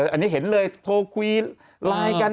อันนี้เห็นเลยโทรคุยไลน์กัน